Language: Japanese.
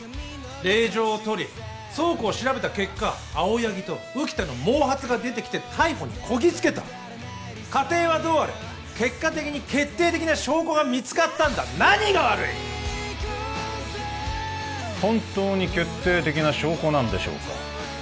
令状を取り倉庫を調べた結果青柳と浮田の毛髪が出てきて逮捕にこぎつけた過程はどうあれ結果的に決定的な証拠が見つかったんだ何が悪い本当に決定的な証拠なんでしょうか